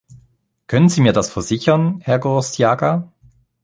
Können Sie mir das versichern, Herr Gorostiaga?